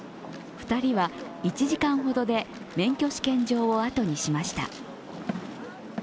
２人は１時間ほどで免許試験場を後にしました。